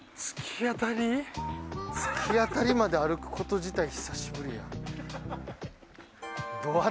突き当たりまで歩くこと自体久しぶり。